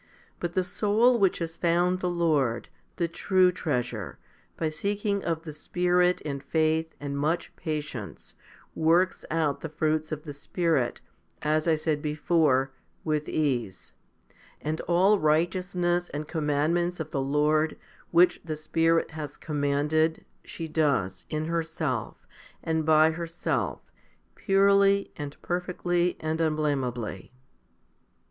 But the soul which has found the Lord, the true treasure, by seeking of the Spirit and faith and much patience, works out the fruits of the Spirit, as I said before, with ease ; and all righteousness and commandments of the Lord, which the Spirit has commanded, she does, in herself, and by herself, purely, and perfectly, and unblameably.